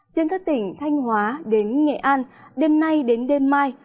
riêng các tỉnh thanh hóa đến nghệ an đêm nay đến đêm mai